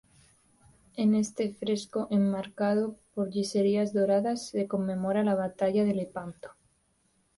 En este fresco enmarcado por yeserías doradas se conmemora la batalla de Lepanto.